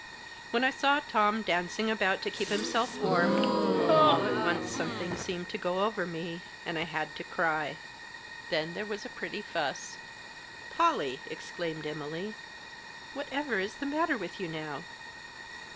When I saw Tom dancing about to keep himself warm, all at once some* Digitized by 4 THE JOSS. thing seemed to go over me, and I had to cry. Then there was a pretty fuss. "Polly!" exclaimed Emily. "Whatever is the matter with you now